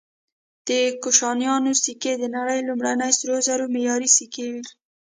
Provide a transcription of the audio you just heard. د کوشانیانو سکې د نړۍ لومړني سرو زرو معیاري سکې وې